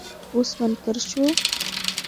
اوس منکر شو.